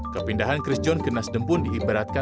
kepindahan chris john ke nasdem pun diibaratkan